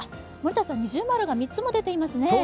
二重丸が３つも出ていますね。